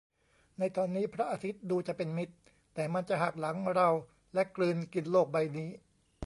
ในตอนนี้พระอาทิตย์ดูจะเป็นมิตร แต่มันจะหักหลังเราและกลืนกินโลกใบนี้